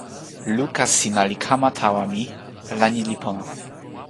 luka sina li kama tawa mi la ni li pona.